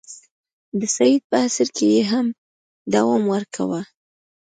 د سید په عصر کې یې هم دوام ورکاوه.